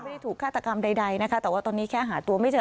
ถูกฆาตกรรมใดนะคะแต่ว่าตอนนี้แค่หาตัวไม่เจอ